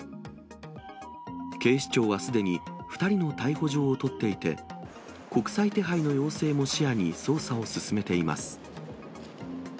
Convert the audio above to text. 警視庁はすでに２人の逮捕状を取っていて、国際手配の要請も視野に捜査を進めています。